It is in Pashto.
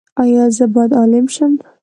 ایا زه باید عالم شم؟